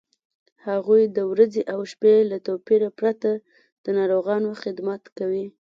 هغوی د ورځې او شپې له توپیره پرته د ناروغانو خدمت کوي.